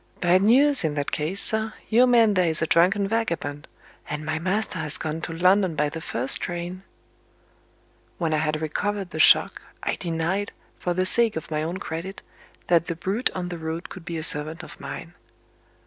"Bad news, in that case, sir. Your man there is a drunken vagabond; and my master has gone to London by the first train." When I had recovered the shock, I denied, for the sake of my own credit, that the brute on the road could be a servant of mine.